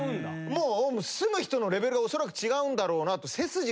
もう住む人のレベルがおそらく違うんだろうなと。